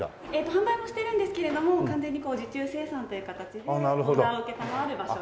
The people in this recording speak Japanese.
販売もしてるんですけれども完全に受注生産という形でオーダーを承る場所に。